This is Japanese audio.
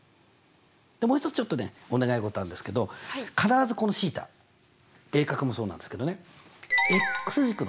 でもう一つちょっとねお願い事があるんですけど必ずこのθ鋭角もそうなんですけどね。